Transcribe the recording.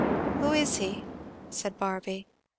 "Who is he?" said Barby.